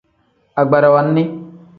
Agbarawa nni.